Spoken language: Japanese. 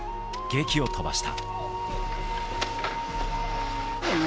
檄を飛ばした。